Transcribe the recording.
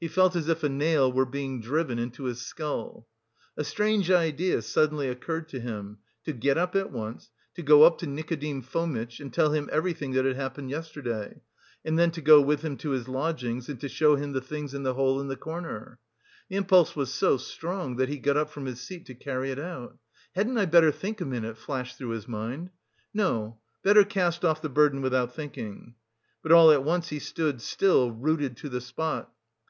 He felt as if a nail were being driven into his skull. A strange idea suddenly occurred to him, to get up at once, to go up to Nikodim Fomitch, and tell him everything that had happened yesterday, and then to go with him to his lodgings and to show him the things in the hole in the corner. The impulse was so strong that he got up from his seat to carry it out. "Hadn't I better think a minute?" flashed through his mind. "No, better cast off the burden without thinking." But all at once he stood still, rooted to the spot.